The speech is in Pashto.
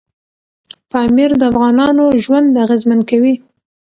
پامیر د افغانانو ژوند اغېزمن کوي.